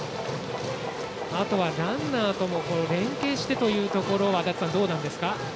ランナーとも連係してというところは足達さん、どうなんですか。